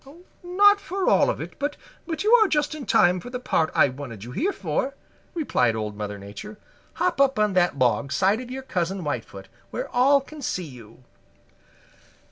"Not for all of it, but you are just in time for the part I wanted you here for," replied Old Mother Nature. "Hop up on that log side of your Cousin Whitefoot, where all can see you."